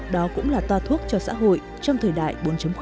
đó cũng là toa thuốc cho xã hội trong thời đại bốn